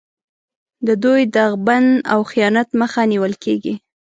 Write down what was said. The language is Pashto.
د دوی د غبن او خیانت مخه نیول کېږي.